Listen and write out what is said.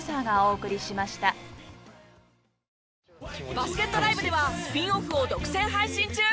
バスケットＬＩＶＥではスピンオフを独占配信中。